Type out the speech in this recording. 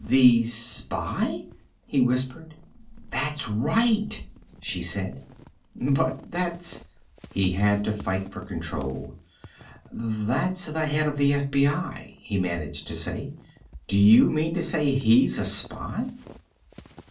"The spy?" he whispered. "That's right," she said. "But that's " He had to fight for control. "That's the head of the FBI," he managed to say. "Do you mean to say he's a spy?"